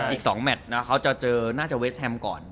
อีก๒แมทนะเขาจะเจอน่าจะเวสแฮมก่อน